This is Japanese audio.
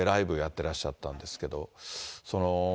てらっしゃったんですけど。